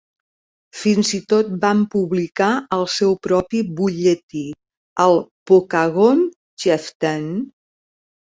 Fins i tot van publicar el seu propi butlletí, el "Pokagon Chieftain".